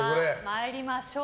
参りましょう。